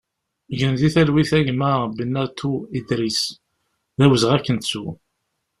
Gen di talwit a gma Benatou Idris, d awezɣi ad k-nettu!